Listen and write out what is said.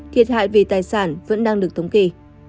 thiệt hại về tài sản vẫn đang được thống kê